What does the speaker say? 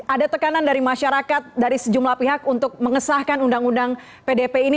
ada tekanan dari masyarakat dari sejumlah pihak untuk mengesahkan undang undang pdp ini